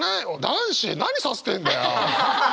男子何させてんだよ！